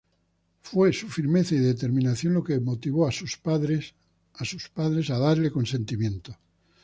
Fue su firmeza y determinación lo que motivó a sus padres a darle consentimiento.